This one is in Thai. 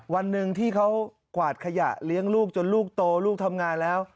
วันหนึ่งที่เขากวาดขยะเลี้ยงลูกจนลูกโตลูกทำงานแล้ว